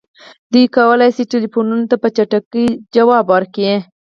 دوی کولی شي ټیلیفونونو ته په چټکۍ ځواب ورکړي